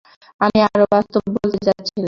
আমি আরো বাস্তব বলতে যাচ্ছিলাম।